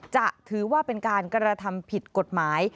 จะถือว่าเป็นการกระทำผิดกฎหมาย